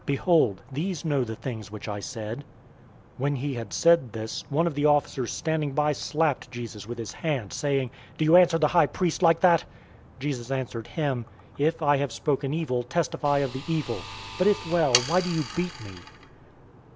Behold, these know the things which I said." 018:022 When he had said this, one of the officers standing by slapped Jesus with his hand, saying, "Do you answer the high priest like that?" 018:023 Jesus answered him, "If I have spoken evil, testify of the evil; but if well, why do you beat me?"